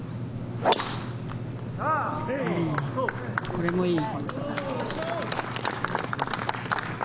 これもいい。